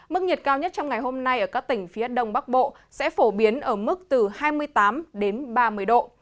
mức nhiệt cao nhất trong ngày hôm nay ở các tỉnh phía đông bắc bộ sẽ phổ biến ở mức từ hai mươi tám đến ba mươi độ